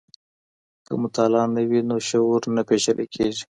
که مطالعه نه وي نو شعور نه پېچلی کیږي.